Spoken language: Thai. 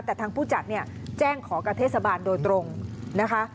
แต่ทางผู้จัดเนี่ยแจ้งขอกับเทศบาลโดยตรงนะคะ